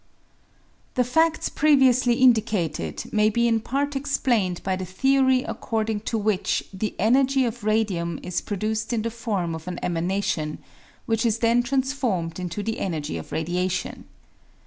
The fadts previously indicated may be in part ex plained by the theory according to which the energy of radium is produced in the form of an emanation, which is then transformed into the energy of radiation.